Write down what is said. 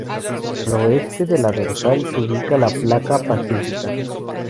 Al Oeste de la dorsal se ubica la Placa Pacífica.